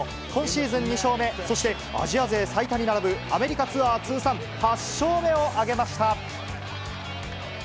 今シーズン２勝目、そしてアジア勢最多に並ぶ、アメリカツアー通算８勝目を挙げました。